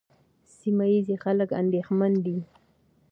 سیمه ییز خلک اندېښمن دي.